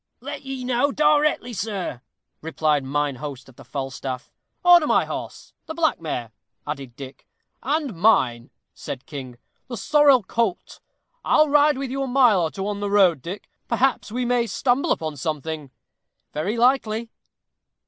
"Let ye know directly, sir," replied mine host of the Falstaff. "Order my horse the black mare," added Dick. "And mine," said King, "the sorrel colt. I'll ride with you a mile or two on the road, Dick; perhaps we may stumble upon something." "Very likely."